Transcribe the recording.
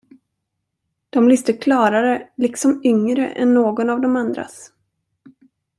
De lyste klarare, liksom yngre än någon av de andras.